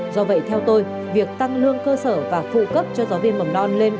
do vậy theo tôi việc tăng lương cơ sở và phụ cấp cho giáo viên mầm non lên bảy mươi một trăm linh